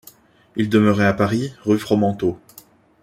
Il demeurait à Paris, rue Fromenteau.